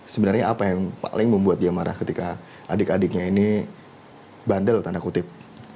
sebenarnya apa yang paling membuat dia marah ketika adik adiknya ini bandel tanda kutip